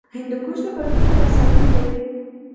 هندوکش د کلتور په داستانونو کې دی.